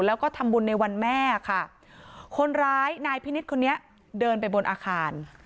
แล้วก็ทำบุญในวันแม่ค่ะคนร้ายนายพินิษฐ์คนนี้เดินไปบนอาคาร